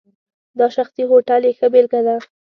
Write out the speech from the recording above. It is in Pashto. دا شخصي هوټل یې ښه بېلګه ده.